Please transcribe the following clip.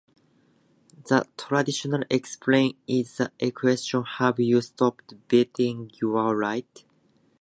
The traditional example is the question Have you stopped beating your wife?